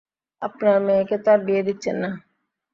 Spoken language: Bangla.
আপনার মেয়েকে তো আর বিয়ে দিচ্ছেন না?